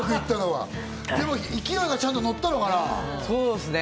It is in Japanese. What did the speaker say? でも勢いがちゃんとのったのかな？